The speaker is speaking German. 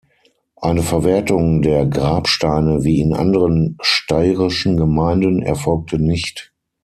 Eine Verwertung der Grabsteine wie in anderen steirischen Gemeinden erfolgte nicht.